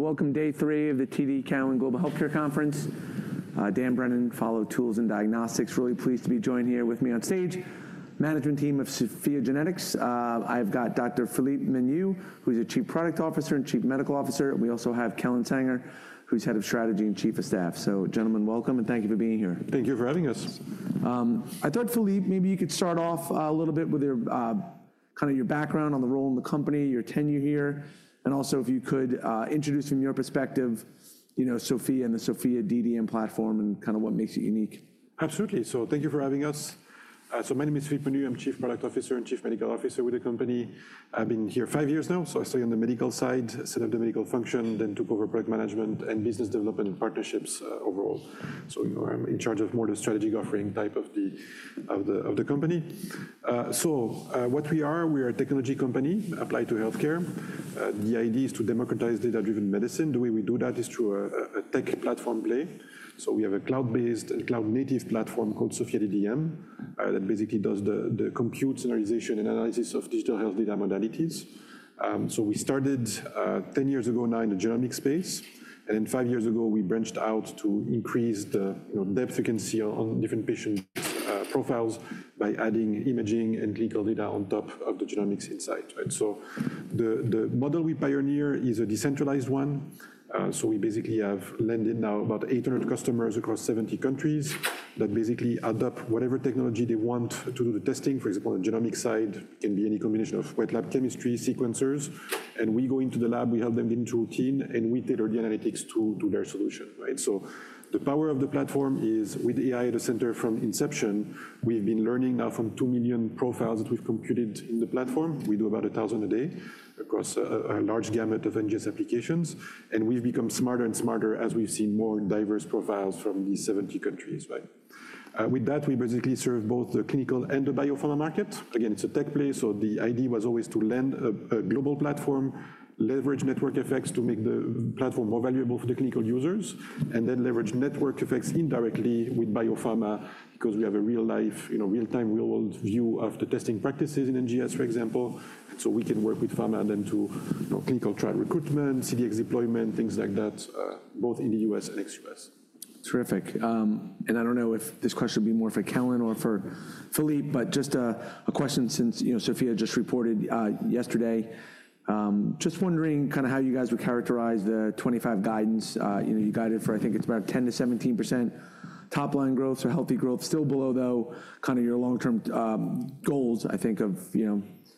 Welcome, day three of the TD Cowen Global Healthcare Conference. Dan Brennan, Follow Tools and Diagnostics, really pleased to be joined here with me on stage. Management team of SOPHiA GENETICS. I've got Dr. Philippe Menu, who's Chief Product Officer and Chief Medical Officer. We also have Kellen Sanger, who's Head of Strategy and Chief of Staff. Gentlemen, welcome, and thank you for being here. Thank you for having us. I thought, Philippe, maybe you could start off a little bit with kind of your background on the role in the company, your tenure here, and also if you could introduce from your perspective SOPHiA and the SOPHiA DDM platform and kind of what makes it unique. Absolutely. Thank you for having us. My name is Philippe Menu. I'm Chief Product Officer and Chief Medical Officer with the company. I've been here five years now. I stay on the medical side instead of the medical function, then took over product management and business development partnerships overall. I'm in charge of more of the strategy offering type of the company. What we are, we are a technology company applied to healthcare. The idea is to democratize data-driven medicine. The way we do that is through a tech platform play. We have a cloud-based and cloud-native platform called SOPHiA DDM that basically does the compute, summarization, and analysis of digital health data modalities. We started 10 years ago now in the genomic space, and then five years ago we branched out to increase the depth we can see on different patient profiles by adding imaging and clinical data on top of the genomics insight. The model we pioneer is a decentralized one. We basically have landed now about 800 customers across 70 countries that basically adopt whatever technology they want to do the testing. For example, on the genomic side, it can be any combination of wet lab chemistry, sequencers, and we go into the lab, we help them get into routine, and we tailor the analytics to their solution. The power of the platform is with AI at the center from inception. We've been learning now from 2 million profiles that we've computed in the platform. We do about 1,000 a day across a large gamut of NGS applications, and we've become smarter and smarter as we've seen more diverse profiles from these 70 countries. With that, we basically serve both the clinical and the biopharma market. Again, it's a tech play, so the idea was always to land a global platform, leverage network effects to make the platform more valuable for the clinical users, and then leverage network effects indirectly with biopharma because we have a real-time, real-world view of the testing practices in NGS, for example. We can work with pharma then to clinical trial recruitment, CDX deployment, things like that, both in the U.S. and ex-U.S. Terrific. I do not know if this question would be more for Kellen or for Philippe, but just a question since SOPHiA just reported yesterday. Just wondering kind of how you guys would characterize the 2025 guidance. You guided for, I think it is about 10%-17% top line growth or healthy growth, still below though kind of your long-term goals, I think, of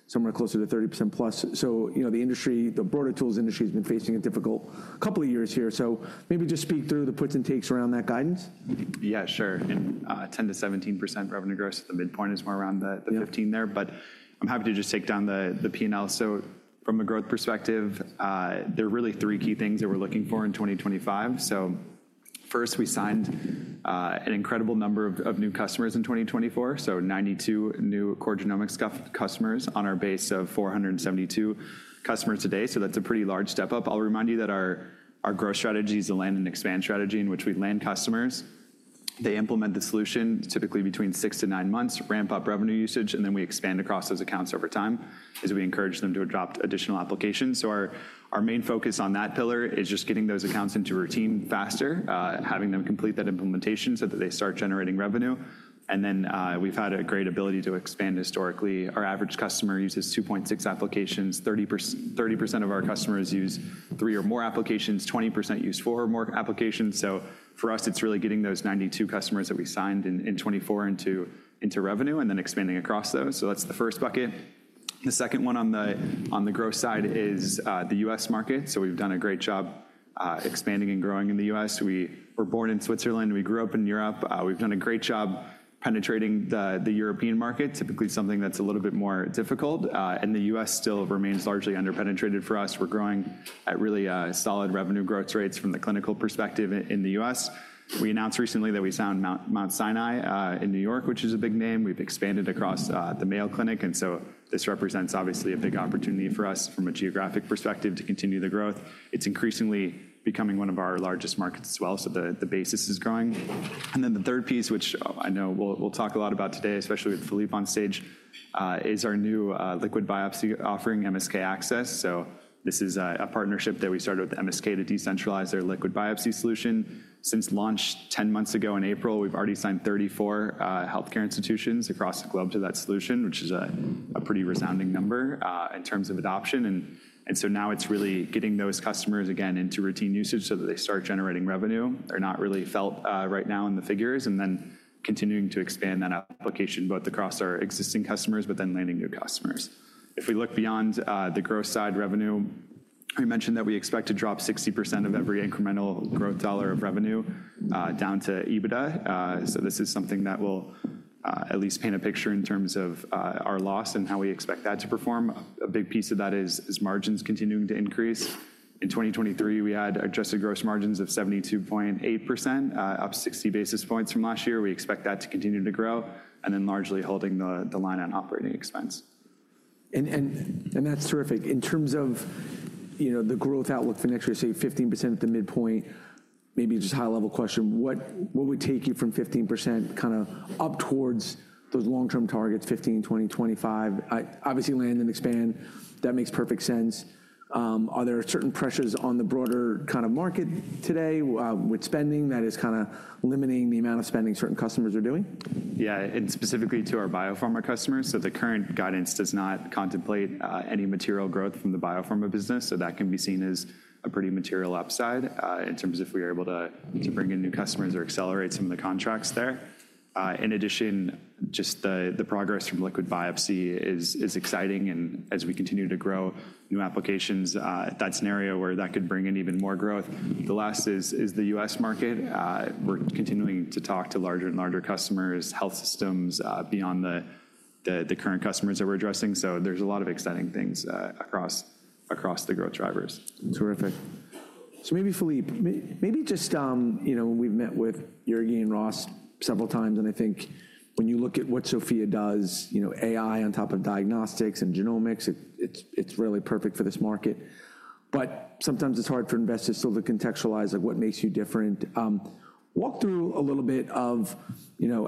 somewhere closer to 30% plus. The industry, the broader tools industry has been facing a difficult couple of years here. Maybe just speak through the puts and takes around that guidance. Yeah, sure. 10%-17% revenue growth, the midpoint is more around the 15% there, but I'm happy to just take down the P&L. From a growth perspective, there are really three key things that we're looking for in 2025. First, we signed an incredible number of new customers in 2024, so 92 new core genomics customers on our base of 472 customers today. That's a pretty large step up. I'll remind you that our growth strategy is a land and expand strategy in which we land customers. They implement the solution typically between six to nine months, ramp up revenue usage, and then we expand across those accounts over time as we encourage them to adopt additional applications. Our main focus on that pillar is just getting those accounts into routine faster, having them complete that implementation so that they start generating revenue. We have had a great ability to expand historically. Our average customer uses 2.6 applications. 30% of our customers use three or more applications. 20% use four or more applications. For us, it is really getting those 92 customers that we signed in 2024 into revenue and then expanding across those. That is the first bucket. The second one on the growth side is the U.S. market. We have done a great job expanding and growing in the US. We were born in Switzerland. We grew up in Europe. We have done a great job penetrating the European market, typically something that is a little bit more difficult. The U.S. still remains largely underpenetrated for us. We are growing at really solid revenue growth rates from the clinical perspective in the U.S.. We announced recently that we signed Mount Sinai in New York, which is a big name. We've expanded across the Mayo Clinic, and this represents obviously a big opportunity for us from a geographic perspective to continue the growth. It's increasingly becoming one of our largest markets as well, so the basis is growing. The third piece, which I know we'll talk a lot about today, especially with Philippe on stage, is our new liquid biopsy offering, MSK Access. This is a partnership that we started with MSK to decentralize their liquid biopsy solution. Since launch 10 months ago in April, we've already signed 34 healthcare institutions across the globe to that solution, which is a pretty resounding number in terms of adoption. Now it's really getting those customers again into routine usage so that they start generating revenue. They're not really felt right now in the figures, and then continuing to expand that application both across our existing customers, but then landing new customers. If we look beyond the growth side revenue, we mentioned that we expect to drop 60% of every incremental growth dollar of revenue down to EBITDA. This is something that will at least paint a picture in terms of our loss and how we expect that to perform. A big piece of that is margins continuing to increase. In 2023, we had adjusted gross margins of 72.8%, up 60 basis points from last year. We expect that to continue to grow and then largely holding the line on operating expense. That's terrific. In terms of the growth outlook for next year, say 15% at the midpoint, maybe just high-level question, what would take you from 15% kind of up towards those long-term targets, 15%, 20%, 25%? Obviously, land and expand. That makes perfect sense. Are there certain pressures on the broader kind of market today with spending that is kind of limiting the amount of spending certain customers are doing? Yeah, and specifically to our biopharma customers. The current guidance does not contemplate any material growth from the biopharma business, so that can be seen as a pretty material upside in terms of if we are able to bring in new customers or accelerate some of the contracts there. In addition, just the progress from liquid biopsy is exciting, and as we continue to grow new applications at that scenario where that could bring in even more growth. The last is the U.S. market. We're continuing to talk to larger and larger customers, health systems beyond the current customers that we're addressing. There are a lot of exciting things across the growth drivers. Terrific. Maybe, Philippe, just when we've met with Jurgi and Ross several times, and I think when you look at what SOPHiA does, AI on top of diagnostics and genomics, it's really perfect for this market. Sometimes it's hard for investors still to contextualize what makes you different. Walk through a little bit of,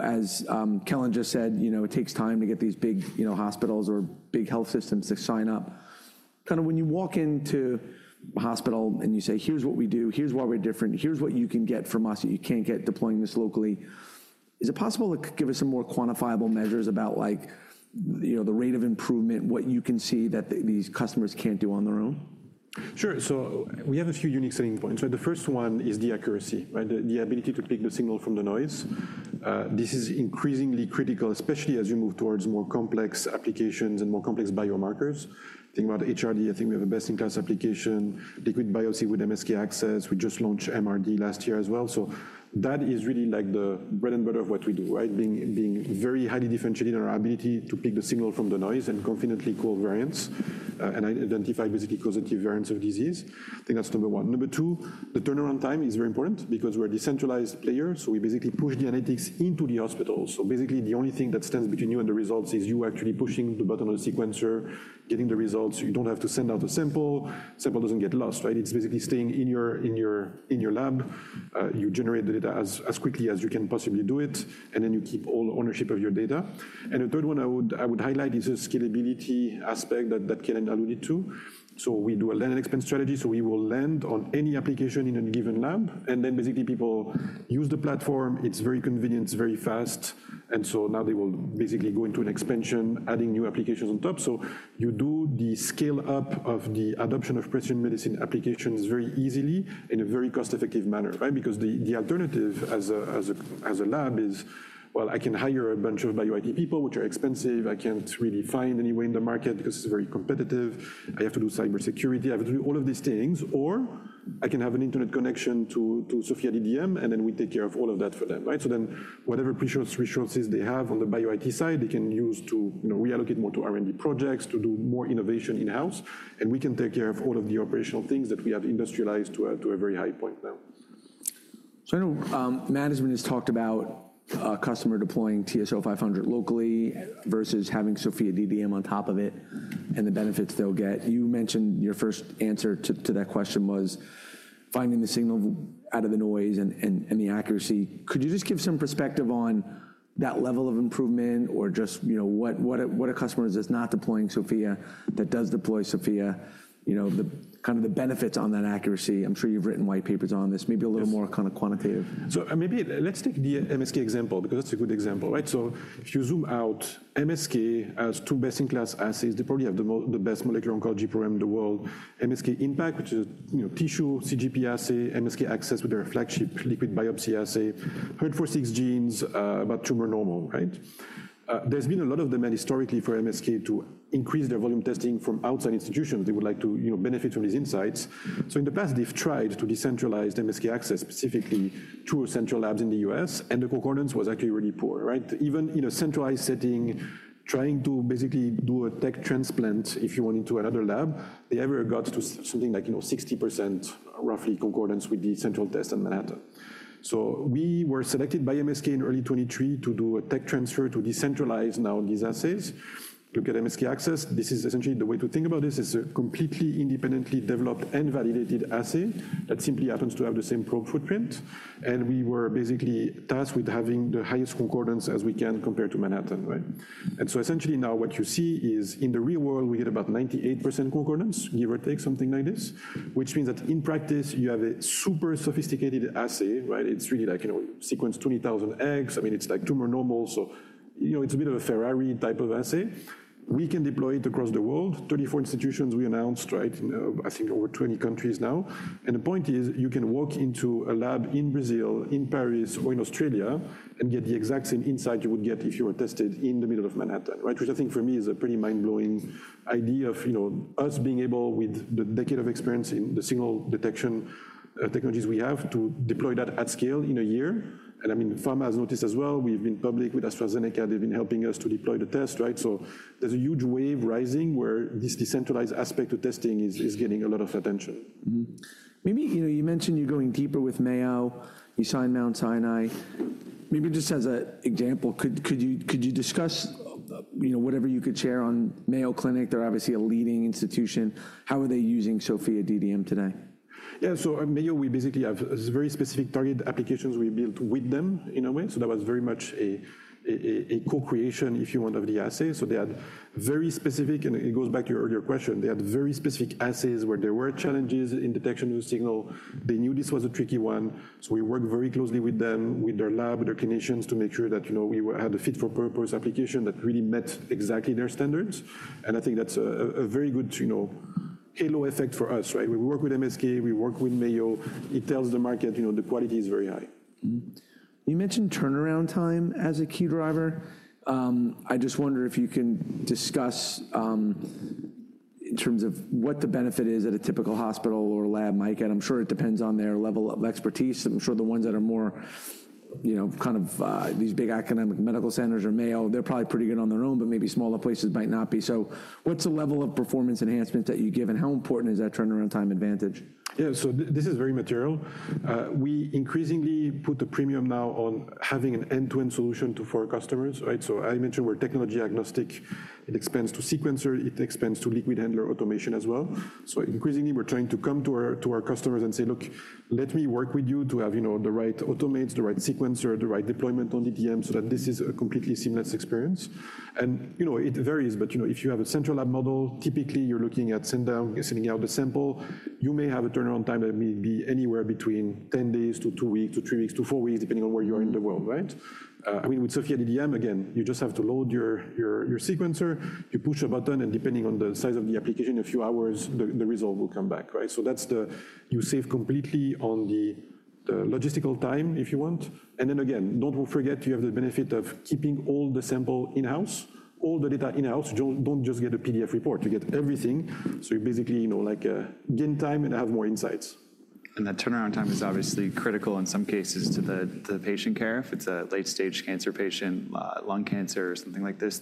as Kellen just said, it takes time to get these big hospitals or big health systems to sign up. Kind of when you walk into a hospital and you say, "Here's what we do, here's why we're different, here's what you can get from us that you can't get deploying this locally," is it possible to give us some more quantifiable measures about the rate of improvement, what you can see that these customers can't do on their own? Sure. We have a few unique selling points. The first one is the accuracy, the ability to pick the signal from the noise. This is increasingly critical, especially as you move towards more complex applications and more complex biomarkers. Think about HRD. I think we have a best-in-class application, liquid biopsy with MSK Access. We just launched MRD last year as well. That is really like the bread and butter of what we do, being very highly differentiated in our ability to pick the signal from the noise and confidently call variants, and identify basically causative variants of disease. I think that's number one. Number two, the turnaround time is very important because we're a decentralized player, so we basically push the analytics into the hospital. Basically, the only thing that stands between you and the results is you actually pushing the button on the sequencer, getting the results. You do not have to send out a sample. The sample does not get lost. It is basically staying in your lab. You generate the data as quickly as you can possibly do it, and then you keep all ownership of your data. The third one I would highlight is the scalability aspect that Kellen alluded to. We do a land and expand strategy. We will land on any application in a given lab, and then basically people use the platform. It is very convenient, it is very fast, and now they will basically go into an expansion, adding new applications on top. You do the scale-up of the adoption of precision medicine applications very easily in a very cost-effective manner because the alternative as a lab is, well, I can hire a bunch of bio-IT people, which are expensive. I can't really find anywhere in the market because it's very competitive. I have to do cybersecurity. I have to do all of these things, or I can have an internet connection to SOPHiA DDM, and then we take care of all of that for them. Whatever precious resources they have on the bio-IT side, they can use to reallocate more to R&D projects, to do more innovation in-house, and we can take care of all of the operational things that we have industrialized to a very high point now. I know management has talked about customer deploying TSO 500 locally versus having SOPHiA DDM on top of it and the benefits they'll get. You mentioned your first answer to that question was finding the signal out of the noise and the accuracy. Could you just give some perspective on that level of improvement or just what a customer is that's not deploying SOPHiA that does deploy SOPHiA, kind of the benefits on that accuracy? I'm sure you've written white papers on this, maybe a little more kind of quantitative. Maybe let's take the MSK example because that's a good example. If you zoom out, MSK has two best-in-class assays. They probably have the best molecular oncology program in the world. MSK Impact, which is tissue CGP assay, MSK Access with their flagship liquid biopsy assay, HRD 46 genes about tumor normal. There's been a lot of demand historically for MSK to increase their volume testing from outside institutions. They would like to benefit from these insights. In the past, they've tried to decentralize MSK Access specifically to central labs in the US, and the concordance was actually really poor. Even in a centralized setting, trying to basically do a tech transplant, if you wanted to, another lab, they ever got to something like 60% roughly concordance with the central test in Manhattan. We were selected by MSK in early 2023 to do a tech transfer to decentralize now these assays. Look at MSK Access. This is essentially the way to think about this. It's a completely independently developed and validated assay that simply happens to have the same probe footprint. We were basically tasked with having the highest concordance as we can compared to Manhattan. Essentially now what you see is in the real world, we get about 98% concordance, give or take something like this, which means that in practice, you have a super sophisticated assay. It's really like sequence 20,000 exomes. I mean, it's like tumor normal. It's a bit of a Ferrari type of assay. We can deploy it across the world. Thirty-four institutions we announced, I think over 20 countries now. The point is you can walk into a lab in Brazil, in Paris, or in Australia and get the exact same insight you would get if you were tested in the middle of Manhattan, which I think for me is a pretty mind-blowing idea of us being able, with the decade of experience in the signal detection technologies we have, to deploy that at scale in a year. I mean, pharma has noticed as well. We've been public with AstraZeneca. They've been helping us to deploy the test. There is a huge wave rising where this decentralized aspect of testing is getting a lot of attention. Maybe you mentioned you're going deeper with Mayo. You signed Mount Sinai. Maybe just as an example, could you discuss whatever you could share on Mayo Clinic? They're obviously a leading institution. How are they using SOPHiA DDM today? Yeah, at Mayo, we basically have very specific target applications we built with them in a way. That was very much a co-creation, if you want, of the assay. They had very specific, and it goes back to your earlier question, they had very specific assays where there were challenges in detection of the signal. They knew this was a tricky one. We worked very closely with them, with their lab, with their clinicians to make sure that we had a fit-for-purpose application that really met exactly their standards. I think that's a very good halo effect for us. We work with MSK. We work with Mayo. It tells the market the quality is very high. You mentioned turnaround time as a key driver. I just wonder if you can discuss in terms of what the benefit is that a typical hospital or lab might get. I'm sure it depends on their level of expertise. I'm sure the ones that are more kind of these big academic medical centers or Mayo, they're probably pretty good on their own, but maybe smaller places might not be. What's the level of performance enhancement that you give, and how important is that turnaround time advantage? Yeah, so this is very material. We increasingly put a premium now on having an end-to-end solution for our customers. I mentioned we're technology agnostic. It expands to sequencer. It expands to liquid handler automation as well. Increasingly, we're trying to come to our customers and say, "Look, let me work with you to have the right automates, the right sequencer, the right deployment on DDM so that this is a completely seamless experience." It varies, but if you have a central lab model, typically you're looking at sending out the sample, you may have a turnaround time that may be anywhere between 10 days to two weeks to three weeks to four weeks, depending on where you are in the world. I mean, with SOPHiA DDM, again, you just have to load your sequencer, you push a button, and depending on the size of the application, a few hours, the result will come back. You save completely on the logistical time, if you want. Then again, do not forget you have the benefit of keeping all the sample in-house, all the data in-house. Do not just get a PDF report. You get everything. You basically gain time and have more insights. That turnaround time is obviously critical in some cases to the patient care. If it's a late-stage cancer patient, lung cancer, or something like this,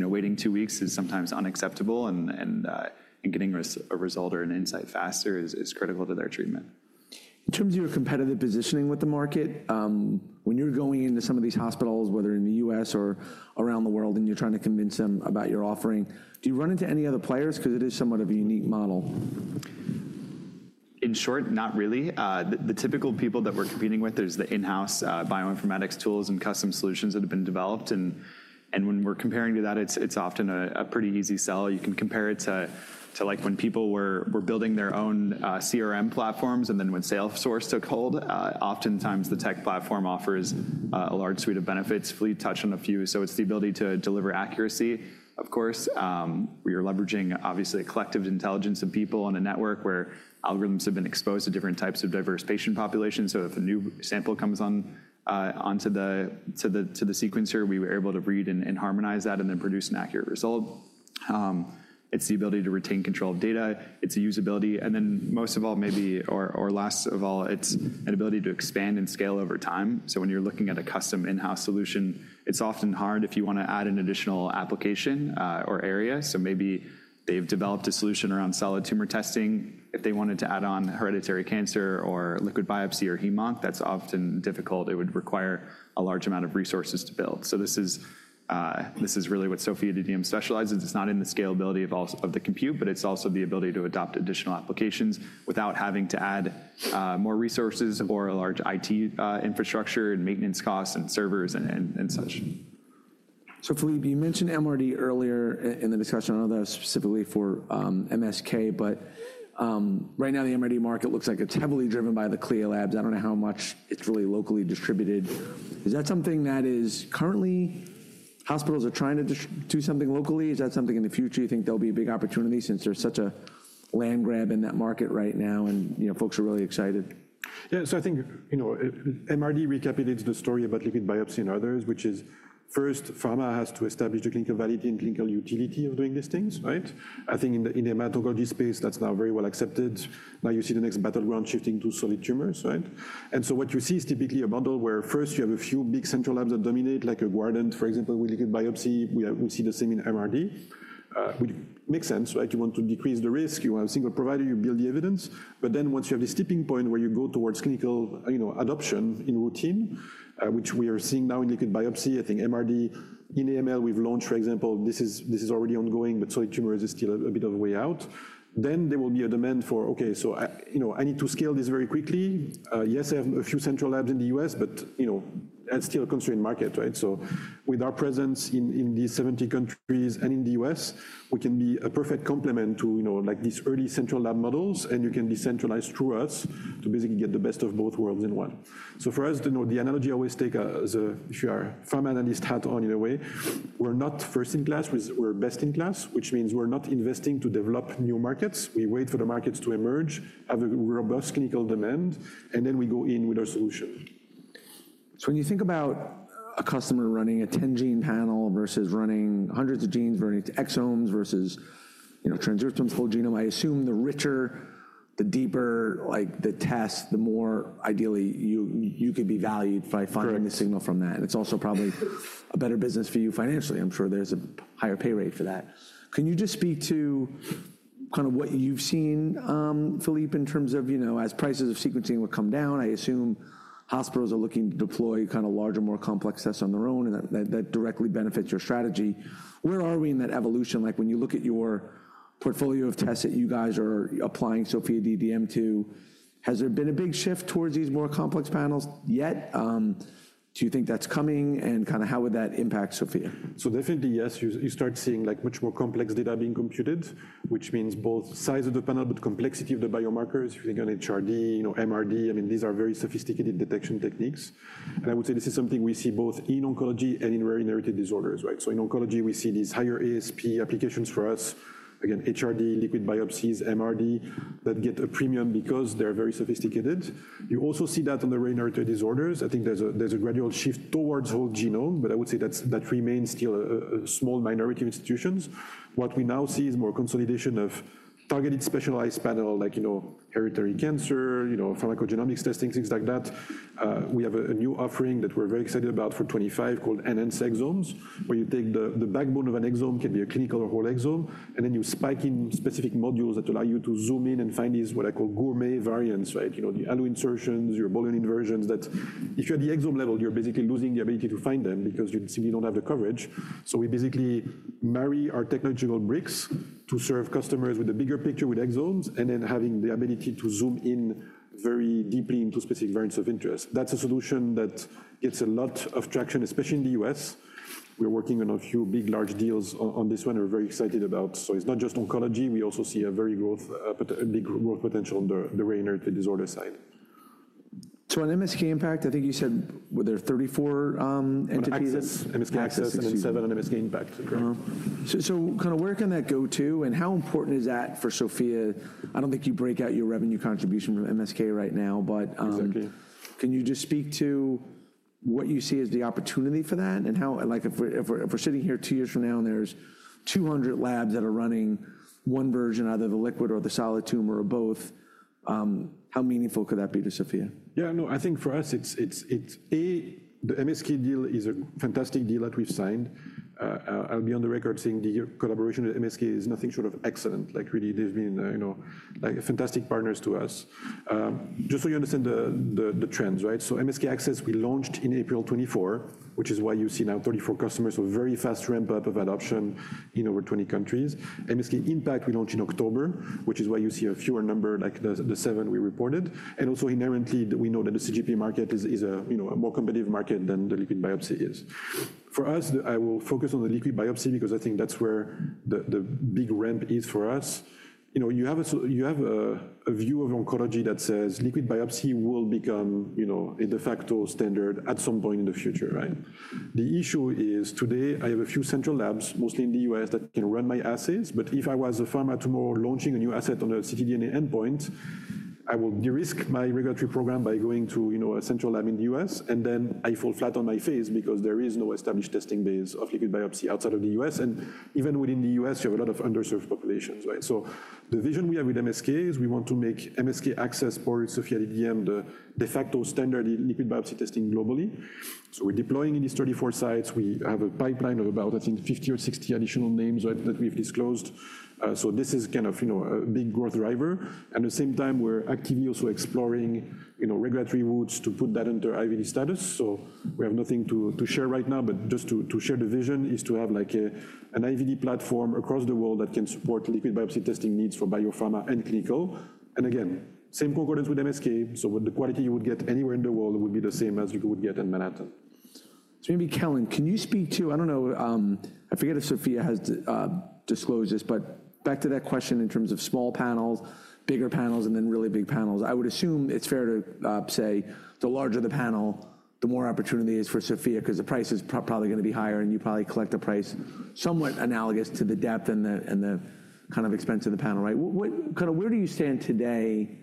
waiting two weeks is sometimes unacceptable, and getting a result or an insight faster is critical to their treatment. In terms of your competitive positioning with the market, when you're going into some of these hospitals, whether in the U.S. or around the world, and you're trying to convince them about your offering, do you run into any other players because it is somewhat of a unique model? In short, not really. The typical people that we're competing with are the in-house bioinformatics tools and custom solutions that have been developed. When we're comparing to that, it's often a pretty easy sell. You can compare it to when people were building their own CRM platforms, and then when Salesforce took hold, oftentimes the tech platform offers a large suite of benefits. Fleet touched on a few. It is the ability to deliver accuracy. Of course, we are leveraging, obviously, a collective intelligence of people on a network where algorithms have been exposed to different types of diverse patient populations. If a new sample comes onto the sequencer, we were able to read and harmonize that and then produce an accurate result. It is the ability to retain control of data. It is the usability. Most of all, maybe, or last of all, it's an ability to expand and scale over time. When you're looking at a custom in-house solution, it's often hard if you want to add an additional application or area. Maybe they've developed a solution around solid tumor testing. If they wanted to add on hereditary cancer or liquid biopsy or HEMONC, that's often difficult. It would require a large amount of resources to build. This is really what SOPHiA DDM specializes in. It's not in the scalability of the compute, but it's also the ability to adopt additional applications without having to add more resources or a large IT infrastructure and maintenance costs and servers and such. Philippe, you mentioned MRD earlier in the discussion, I do not know that specifically for MSK, but right now the MRD market looks like it is heavily driven by the CLIA labs. I do not know how much it is really locally distributed. Is that something that is currently hospitals are trying to do something locally? Is that something in the future you think there will be a big opportunity since there is such a land grab in that market right now and folks are really excited? Yeah, so I think MRD recapitulates the story about liquid biopsy and others, which is first, pharma has to establish the clinical validity and clinical utility of doing these things. I think in the hematology space, that's now very well accepted. Now you see the next battleground shifting to solid tumors. What you see is typically a model where first you have a few big central labs that dominate, like a Guardant, for example, with liquid biopsy. We see the same in MRD, which makes sense. You want to decrease the risk. You want a single provider. You build the evidence. Once you have this tipping point where you go towards clinical adoption in routine, which we are seeing now in liquid biopsy, I think MRD in AML we've launched, for example. This is already ongoing, but solid tumors is still a bit of a way out. There will be a demand for, "Okay, so I need to scale this very quickly." Yes, I have a few central labs in the U.S., but that's still a constrained market. With our presence in these 70 countries and in the U.S., we can be a perfect complement to these early central lab models, and you can decentralize through us to basically get the best of both worlds in one. For us, the analogy I always take is if you are a pharma analyst hat on in a way, we're not first in class. We're best in class, which means we're not investing to develop new markets. We wait for the markets to emerge, have a robust clinical demand, and then we go in with our solution. When you think about a customer running a 10-gene panel versus running hundreds of genes, running to exomes versus TranSurge from full genome, I assume the richer, the deeper, the test, the more ideally you could be valued by finding the signal from that. It's also probably a better business for you financially. I'm sure there's a higher pay rate for that. Can you just speak to kind of what you've seen, Philippe, in terms of as prices of sequencing will come down, I assume hospitals are looking to deploy kind of larger, more complex tests on their own, and that directly benefits your strategy. Where are we in that evolution? When you look at your portfolio of tests that you guys are applying SOPHiA DDM to, has there been a big shift towards these more complex panels yet? Do you think that's coming? How would that impact SOPHiA? Definitely, yes. You start seeing much more complex data being computed, which means both size of the panel but complexity of the biomarkers. If you think on HRD, MRD, I mean, these are very sophisticated detection techniques. I would say this is something we see both in oncology and in rare inherited disorders. In oncology, we see these higher ASP applications for us. Again, HRD, liquid biopsies, MRD that get a premium because they're very sophisticated. You also see that in the rare inherited disorders. I think there's a gradual shift towards whole genome, but I would say that remains still a small minority of institutions. What we now see is more consolidation of targeted specialized panel like hereditary cancer, pharmacogenomics testing, things like that. We have a new offering that we're very excited about for 2025 called NGS exomes, where you take the backbone of an exome, can be a clinical or whole exome, and then you spike in specific modules that allow you to zoom in and find these what I call gourmet variants, the Alu insertions, your BOLINE inversions. If you're at the exome level, you're basically losing the ability to find them because you simply don't have the coverage. We basically marry our technological bricks to serve customers with a bigger picture with exomes and then having the ability to zoom in very deeply into specific variants of interest. That's a solution that gets a lot of traction, especially in the U.S.. We're working on a few big, large deals on this one and we're very excited about. It's not just oncology. We also see a very big growth potential on the rare inherited disorder side. On MSK Impact, I think you said there are 34 entities. Access, MSK Access, and then seven on MSK Impact. Kind of where can that go to? And how important is that for SOPHiA? I don't think you break out your revenue contribution from MSK right now, but can you just speak to what you see as the opportunity for that? If we're sitting here two years from now and there's 200 labs that are running one version, either the liquid or the solid tumor or both, how meaningful could that be to SOPHiA? Yeah, no, I think for us, the MSK deal is a fantastic deal that we've signed. I'll be on the record saying the collaboration with MSK is nothing short of excellent. Really, they've been fantastic partners to us. Just so you understand the trends, MSK Access, we launched in April 2024, which is why you see now 34 customers, a very fast ramp-up of adoption in over 20 countries. MSK Impact, we launched in October, which is why you see a fewer number, like the seven we reported. Also inherently, we know that the CGP market is a more competitive market than the liquid biopsy is. For us, I will focus on the liquid biopsy because I think that's where the big ramp is for us. You have a view of oncology that says liquid biopsy will become the de facto standard at some point in the future. The issue is today, I have a few central labs, mostly in the U.S., that can run my assays. If I was a pharma tomorrow launching a new asset on a ctDNA endpoint, I will de-risk my regulatory program by going to a central lab in the U.S., and then I fall flat on my face because there is no established testing base of liquid biopsy outside of the U.S. Even within the U.S., you have a lot of underserved populations. The vision we have with MSK is we want to make MSK Access or SOPHiA DDM the de facto standard liquid biopsy testing globally. We are deploying in these 34 sites. We have a pipeline of about, I think, 50 or 60 additional names that we've disclosed. This is kind of a big growth driver. At the same time, we're actively also exploring regulatory routes to put that under IVD status. We have nothing to share right now, but just to share the vision is to have an IVD platform across the world that can support liquid biopsy testing needs for biopharma and clinical. Again, same concordance with MSK. The quality you would get anywhere in the world would be the same as you would get in Manhattan. Maybe Kellen, can you speak to, I don't know, I forget if SOPHiA has disclosed this, but back to that question in terms of small panels, bigger panels, and then really big panels. I would assume it's fair to say the larger the panel, the more opportunity is for SOPHiA because the price is probably going to be higher, and you probably collect a price somewhat analogous to the depth and the kind of expense of the panel. Where do you stand today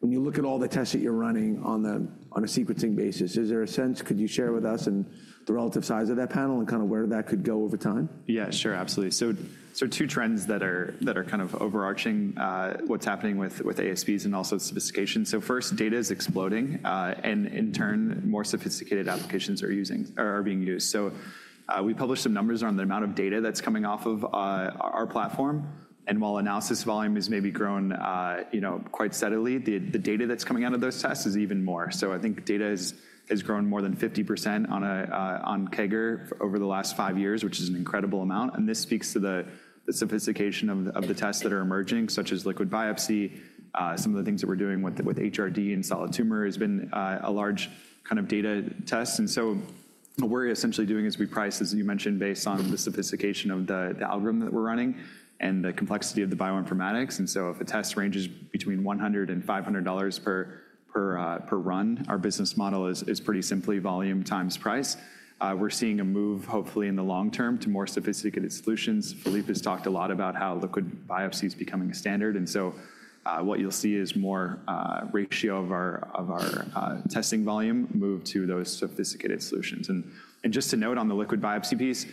when you look at all the tests that you're running on a sequencing basis? Is there a sense? Could you share with us the relative size of that panel and kind of where that could go over time? Yeah, sure, absolutely. Two trends that are kind of overarching what's happening with ASBs and also sophistication. First, data is exploding, and in turn, more sophisticated applications are being used. We published some numbers on the amount of data that's coming off of our platform. While analysis volume has maybe grown quite steadily, the data that's coming out of those tests is even more. I think data has grown more than 50% on CAGR over the last five years, which is an incredible amount. This speaks to the sophistication of the tests that are emerging, such as liquid biopsy. Some of the things that we're doing with HRD and solid tumor has been a large kind of data test. What we're essentially doing is we price, as you mentioned, based on the sophistication of the algorithm that we're running and the complexity of the bioinformatics. If a test ranges between $100 and $500 per run, our business model is pretty simply volume times price. We're seeing a move, hopefully in the long term, to more sophisticated solutions. Philippe has talked a lot about how liquid biopsy is becoming a standard. What you'll see is more ratio of our testing volume move to those sophisticated solutions. Just to note on the liquid biopsy piece,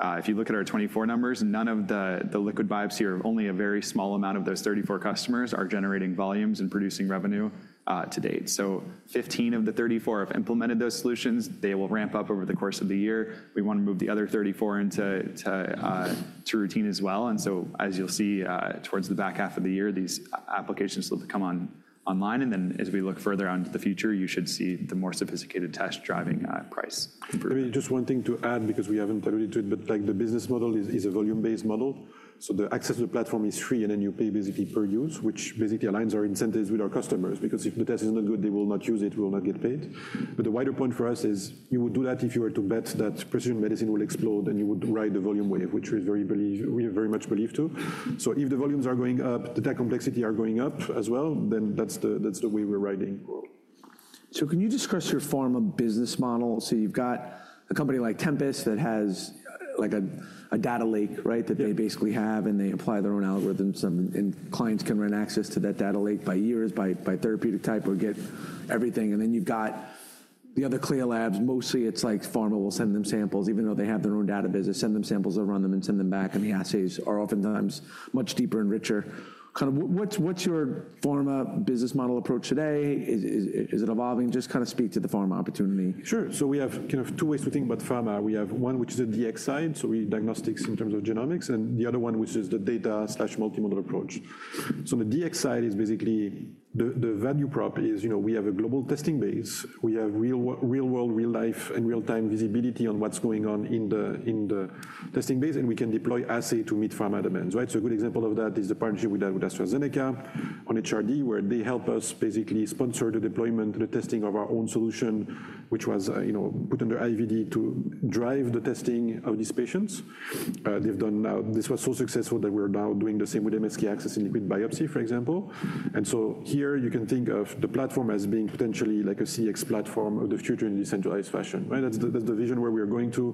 if you look at our 2024 numbers, none of the liquid biopsy or only a very small amount of those 34 customers are generating volumes and producing revenue to date. Fifteen of the 34 have implemented those solutions. They will ramp up over the course of the year. We want to move the other 34 into routine as well. As you'll see towards the back half of the year, these applications will come online. As we look further out into the future, you should see the more sophisticated tests driving price. I mean, just one thing to add because we haven't alluded to it, but the business model is a volume-based model. The access to the platform is free, and then you pay basically per use, which basically aligns our incentives with our customers because if the test is not good, they will not use it, will not get paid. The wider point for us is you would do that if you were to bet that precision medicine will explode and you would ride the volume wave, which we very much believe to. If the volumes are going up, the tech complexity are going up as well, then that's the way we're riding. Can you discuss your pharma business model? You've got a company like Tempus that has a data lake that they basically have, and they apply their own algorithms, and clients can run access to that data lake by years, by therapeutic type or get everything. You've got the other CLIA labs. Mostly, it's like pharma will send them samples, even though they have their own data business, send them samples, they'll run them and send them back, and the assays are oftentimes much deeper and richer. Kind of what's your pharma business model approach today? Is it evolving? Just kind of speak to the pharma opportunity. Sure. We have kind of two ways to think about pharma. We have one, which is the DX side, so we diagnostics in terms of genomics, and the other one, which is the data/multimodal approach. The DX side is basically the value prop is we have a global testing base. We have real-world, real-life, and real-time visibility on what's going on in the testing base, and we can deploy assay to meet pharma demands. A good example of that is the partnership we've done with AstraZeneca on HRD, where they help us basically sponsor the deployment and the testing of our own solution, which was put under IVD to drive the testing of these patients. This was so successful that we're now doing the same with MSK Access in liquid biopsy, for example. Here, you can think of the platform as being potentially like a CX platform of the future in a decentralized fashion. That's the vision where we are going to.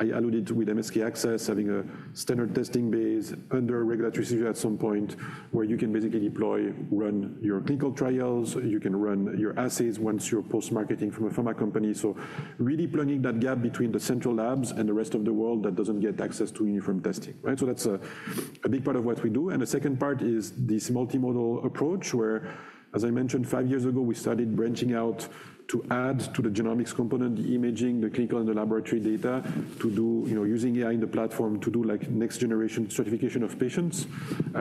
I alluded with MSK Access, having a standard testing base under regulatory CGP at some point, where you can basically deploy, run your clinical trials. You can run your assays once you're post-marketing from a pharma company. Really plugging that gap between the central labs and the rest of the world that doesn't get access to uniform testing. That's a big part of what we do. The second part is this multimodal approach, where, as I mentioned, five years ago, we started branching out to add to the genomics component, the imaging, the clinical, and the laboratory data using AI in the platform to do next-generation certification of patients.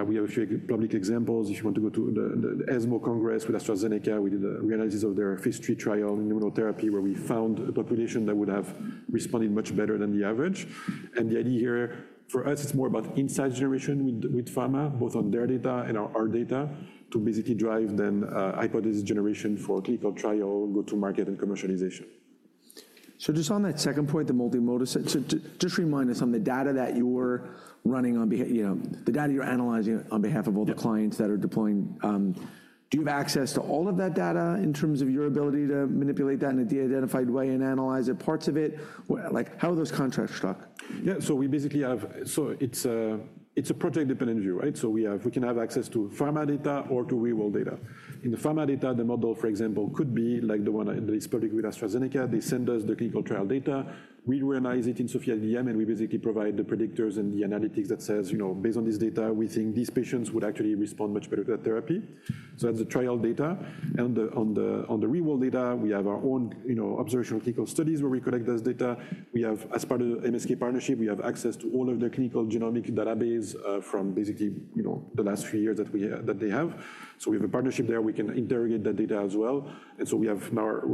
We have a few public examples. If you want to go to the ESMO Congress with AstraZeneca, we did a reanalysis of their phase three trial in immunotherapy, where we found a population that would have responded much better than the average. The idea here for us, it's more about insight generation with pharma, both on their data and our data, to basically drive then hypothesis generation for clinical trial, go-to-market, and commercialization. Just on that second point, the multimodal, just remind us on the data that you're running on, the data you're analyzing on behalf of all the clients that are deploying. Do you have access to all of that data in terms of your ability to manipulate that in a de-identified way and analyze parts of it? How are those contracts struck? Yeah, so we basically have, so it's a project-dependent view. We can have access to pharma data or to real-world data. In the pharma data, the model, for example, could be like the one that is public with AstraZeneca. They send us the clinical trial data. We reanalyze it in SOPHiA DDM, and we basically provide the predictors and the analytics that says, based on this data, we think these patients would actually respond much better to that therapy. That's the trial data. On the real-world data, we have our own observational clinical studies where we collect those data. As part of the MSK partnership, we have access to all of the clinical genomic database from basically the last few years that they have. We have a partnership there. We can interrogate that data as well. We are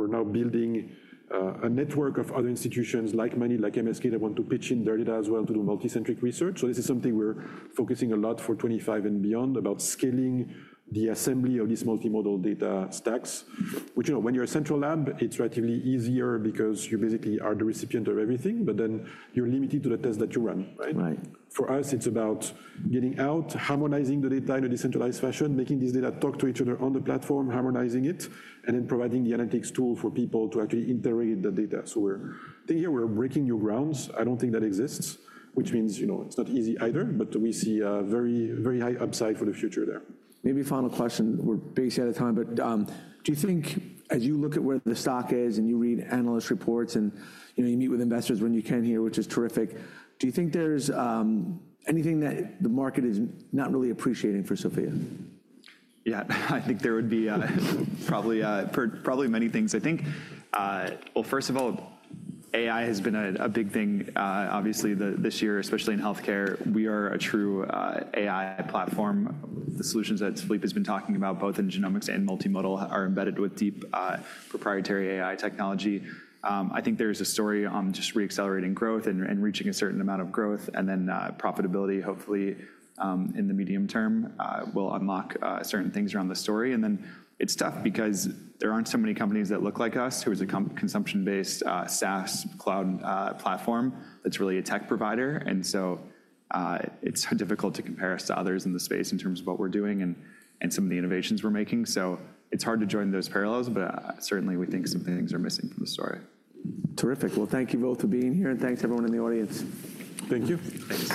now building a network of other institutions like MSK that want to pitch in their data as well to do multicentric research. This is something we're focusing a lot for 2025 and beyond about scaling the assembly of these multimodal data stacks, which when you're a central lab, it's relatively easier because you basically are the recipient of everything, but then you're limited to the test that you run. For us, it's about getting out, harmonizing the data in a decentralized fashion, making these data talk to each other on the platform, harmonizing it, and then providing the analytics tool for people to actually interrogate the data. I think here we're breaking new grounds. I don't think that exists, which means it's not easy either, but we see a very high upside for the future there. Maybe final question. We're basically out of time, but do you think as you look at where the stock is and you read analyst reports and you meet with investors when you can here, which is terrific, do you think there's anything that the market is not really appreciating for SOPHiA? Yeah, I think there would be probably many things. I think, first of all, AI has been a big thing, obviously, this year, especially in healthcare. We are a true AI platform. The solutions that Philippe has been talking about, both in genomics and multimodal, are embedded with deep proprietary AI technology. I think there's a story on just re-accelerating growth and reaching a certain amount of growth and then profitability, hopefully in the medium term, will unlock certain things around the story. It is tough because there are not so many companies that look like us, who is a consumption-based SaaS cloud platform that's really a tech provider. It is difficult to compare us to others in the space in terms of what we're doing and some of the innovations we're making. It's hard to join those parallels, but certainly, we think some things are missing from the story. Terrific. Thank you both for being here, and thanks to everyone in the audience. Thank you. Thanks.